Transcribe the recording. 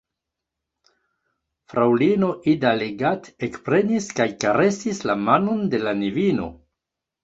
Fraŭlino Ida Leggat ekprenis kaj karesis la manon de la nevino.